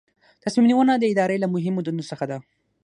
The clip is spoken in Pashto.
تصمیم نیونه د ادارې له مهمو دندو څخه ده.